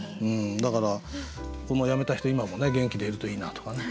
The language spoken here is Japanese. だからこの辞めた人今も元気でいるといいなとかね。